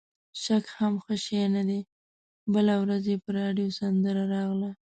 شک هم ښه شی نه دی، بله ورځ یې په راډیو سندره راغله.